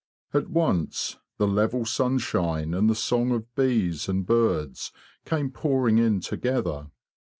At once the level sunshine and the song of bees and birds came pouring in together.